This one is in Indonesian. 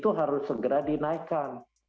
itu harus segera dinaikkan